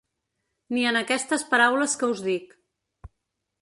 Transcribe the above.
Ni en aquestes paraules que us dic.